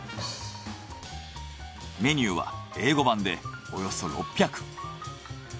メニューは英語版でおよそ６００。